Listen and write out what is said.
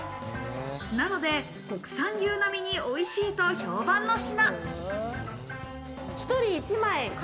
なので、国産牛並みにおいしいと評判の品。